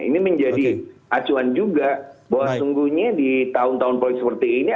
ini menjadi acuan juga bahwa sungguhnya di tahun tahun politik seperti ini